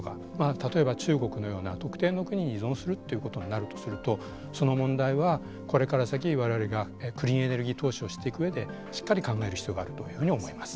例えば中国のような特定の国に依存するということになるとその問題はこれから先我々がクリーンエネルギー投資をしていくうえでしっかり考える必要があるというふうに思います。